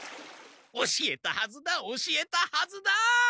教えたはずだ教えたはずだ！